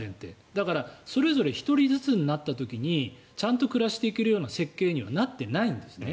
だからそれぞれ１人ずつになった時にちゃんと暮らしていけるような設計にはなっていないんですね。